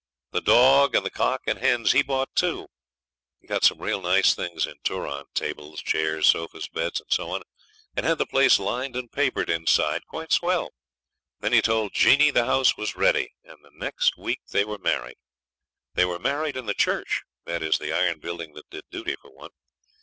The dog, and the cock and hens he bought too. He got some real nice things in Turon tables, chairs, sofas, beds, and so on; and had the place lined and papered inside, quite swell. Then he told Jeanie the house was ready, and the next week they were married. They were married in the church that is, the iron building that did duty for one.